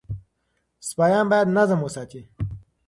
سپایان باید نظم وساتي.